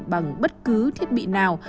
bằng bất cứ thiết bị nào